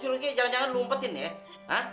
si luki jangan jangan lu umpetin ya